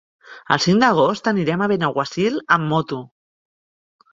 El cinc d'agost anirem a Benaguasil amb moto.